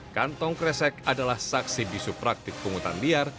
kantong kresek adalah saksi bisu praktik pungutan liar